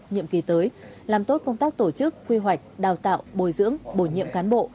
nhiệm kỳ tới làm tốt công tác tổ chức quy hoạch đào tạo bồi dưỡng bổ nhiệm cán bộ